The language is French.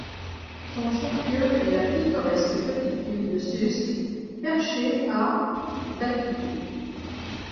Son chef-lieu est la pittoresque petite ville de Susques, perchée à d'altitude.